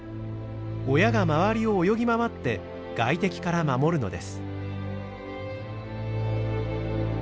親が周りを泳ぎ回って外敵から守るのです。